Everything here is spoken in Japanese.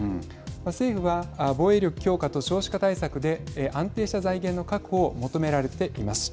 政府は防衛力強化と少子化対策で安定した財源の確保を求められています。